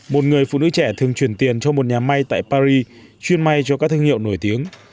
một người phụ nữ trẻ thường truyền tiền cho một nhà máy tại paris chuyên máy cho các thương hiệu nổi tiếng